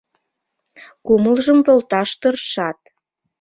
Кумылжым волташ тыршат.